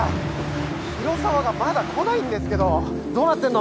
広沢がまだ来ないんですけどどうなってんの！？